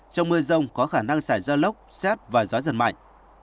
trong mưa rông có khả năng xảy ra lốc xét và gió giật mạnh